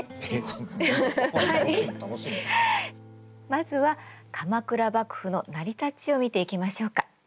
まずは鎌倉幕府の成り立ちを見ていきましょうか。